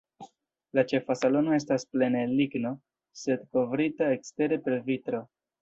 La ĉefa salono estas plene el ligno, sed kovrita ekstere per vitro.